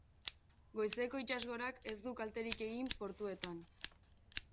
Goizeko itsasgorak ez du kalterik egin portuetan.